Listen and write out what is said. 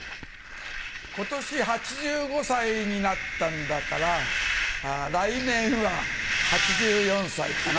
今年８５歳になったんだから来年は８４歳かな。